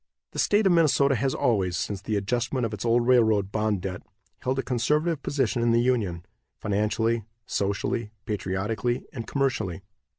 The State of Minnesota has always, since the adjustment of its old railroad bond debt, held a conservative position in the Union, financially, socially, patriotically and commercially.